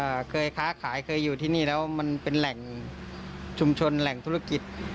เคยค้าขายเคยอยู่ที่นี่แล้วมันเป็นแหล่งชุมชนแหล่งธุรกิจ